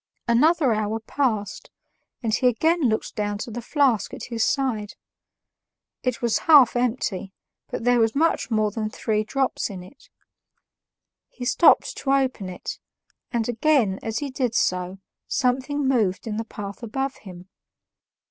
Another hour passed, and he again looked down to the flask at his side; it was half empty, but there was much more than three drops in it. He stopped to open it, and again, as he did so, something moved in the path above him.